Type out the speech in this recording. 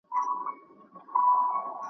واك ضرور دئ د نااهلو حاكمانو .